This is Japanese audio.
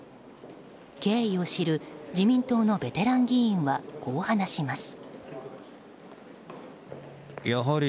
経緯を知る自民党のベテラン議員はこう話します。